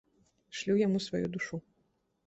Шлю яму сваю душу.